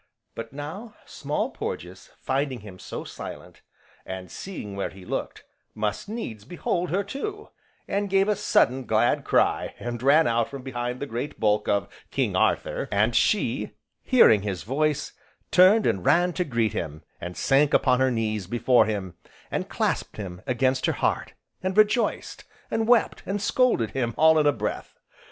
But now Small Porges finding him so silent, and seeing where he looked, must needs behold her too, and gave a sudden, glad cry, and ran out from behind the great bulk of "King Arthur," and she, hearing his voice, turned and ran to meet him, and sank upon her knees before him, and clasped him against her heart, and rejoiced, and wept, and scolded him, all in a breath.